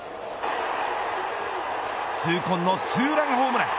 痛恨のツーランホームラン。